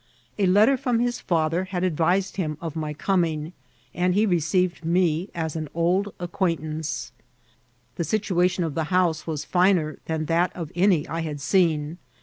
A letter from his father had advised him of my coming, and he received me as an old acquaintance* The situatkm of the house was finer than that of any I had seen.